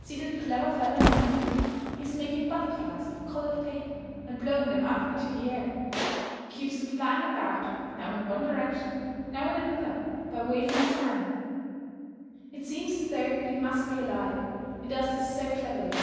See that clever fellow in the middle. He is making butterflies of coloured paper and blowing them up into the air. He keeps them flying about, now in one direction, now in another, by waving his fan. It seems as though they must be alive, he does this so cleverly.